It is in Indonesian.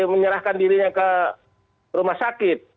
menyerahkan dirinya ke rumah sakit